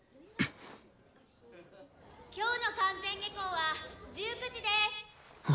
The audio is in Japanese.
今日の完全下校は１９時です。